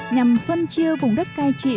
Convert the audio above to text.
nhằm phân chiêu vùng đất cai trị